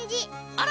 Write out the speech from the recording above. あら！